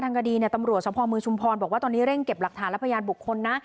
คดีเนี่ยตำรวจสมภาพมือชุมพรบอกว่าตอนนี้เร่งเก็บหลักฐานและพยานบุคคลนะ